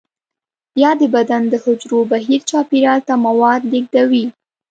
یا د بدن د حجرو بهر چاپیریال ته مواد لیږدوي.